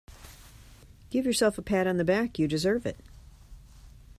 Give yourself a pat on the back, you deserve it.